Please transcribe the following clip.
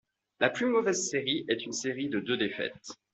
La plus mauvaise série est une série de deux défaites.